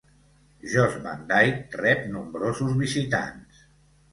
Jost Van Dyke rep nombrosos visitants.